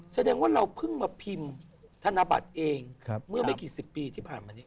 แสดงว่าเราเพิ่งมาพิมพ์ธนบัตรเองเมื่อไม่กี่สิบปีที่ผ่านมานี้